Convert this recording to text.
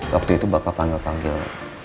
waktu itu bapak panggil panggil